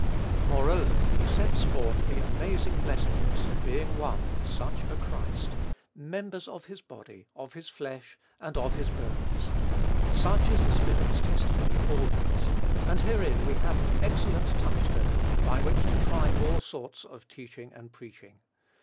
Moreover, he sets forth the amazing blessedness of being one with such a Christ, "members of his body, of his flesh, and of his bones." Such is the Spirit's testimony always; and herein we have an excellent touchstone by which to try all sorts of teaching and preaching.